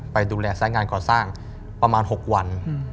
ไปดูแลสายงานก่อสร้างประมาณ๖วัน